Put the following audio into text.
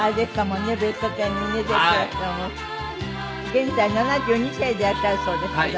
現在７２歳でいらっしゃるそうですけど。